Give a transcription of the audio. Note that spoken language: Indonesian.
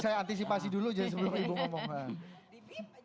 saya antisipasi dulu jadi sebelum ibu ngomong